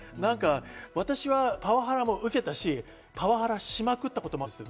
私はパワハラを受けたし、パワハラしまくったこともあります。